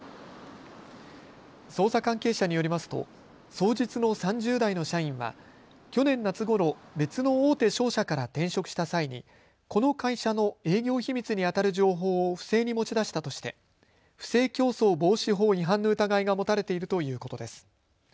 捜査関係者によりますと双日の３０代の社員は去年夏ごろ別の大手商社から転職した際にこの会社の営業秘密にあたる情報を不正に持ち出したとして不正競争防止法違反の疑いが持たれているということです。